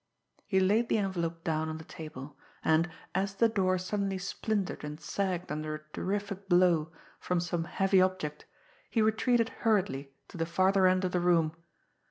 He laid the envelope down on the table and, as the door suddenly splintered and sagged under a terrific blow from some heavy object, he retreated hurriedly to the farther end of the room.